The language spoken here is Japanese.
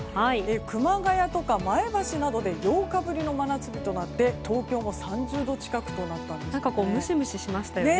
熊谷とか前橋などで８日ぶりの真夏日となって東京も３０度近くとなったんですね。